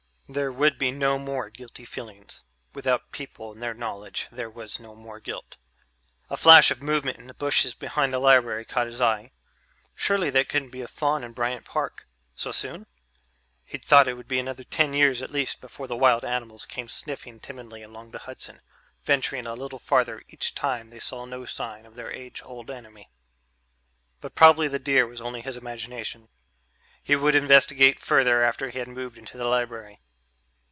There would be no more guilty feelings; without people and their knowledge there was no more guilt. A flash of movement in the bushes behind the library caught his eye. Surely that couldn't be a fawn in Bryant Park? So soon?... He'd thought it would be another ten years at least before the wild animals came sniffing timidly along the Hudson, venturing a little further each time they saw no sign of their age old enemy. But probably the deer was only his imagination. He would investigate further after he had moved into the library.